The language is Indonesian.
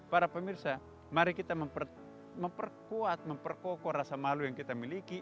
para pemirsa mari kita memperkuat memperkokoh rasa malu yang kita miliki